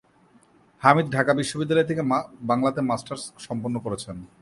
হামিদ ঢাকা বিশ্ববিদ্যালয়ের থেকে বাংলাতে মাস্টার্স সম্পন্ন করেছেন।